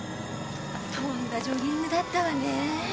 とんだジョギングだったわねえ。